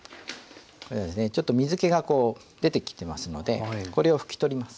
ちょっと水けが出てきてますのでこれを拭き取ります。